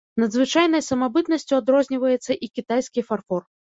Надзвычайнай самабытнасцю адрозніваецца і кітайскі фарфор.